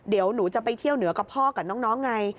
เดี๋ยวหนูจะไปเที่ยวเหนือกับพ่อกับน้องไง